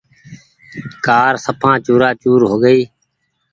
ڪآر سڦان چورآ چور هو گئي ۔